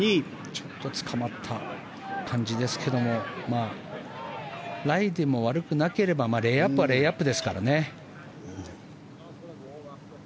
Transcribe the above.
ちょっとつかまった感じですけどライでも悪くなければレイアップはレイアップですからね。